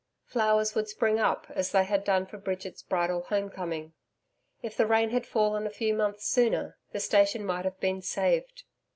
Flowers would spring up as they had done for Bridget's bridal home coming. If the rain had fallen a few months sooner the station might have been saved.